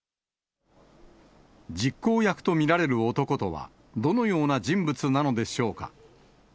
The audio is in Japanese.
実行役と見られる男とは、どのような人物なのでしょうか。